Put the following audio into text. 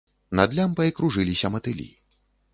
Над лямпай кружыліся матылі.